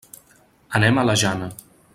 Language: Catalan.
Anem a la Jana.